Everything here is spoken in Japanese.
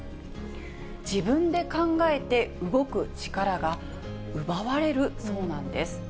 自分で考えて動く力が奪われるそうなんです。